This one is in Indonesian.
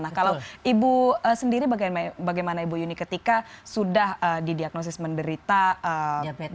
nah kalau ibu sendiri bagaimana ibu yuni ketika sudah didiagnosis menderita